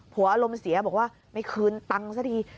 อารมณ์เสียบอกว่าไม่คืนตังค์ซะที